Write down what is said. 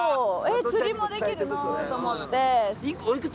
釣りもできるなと思って。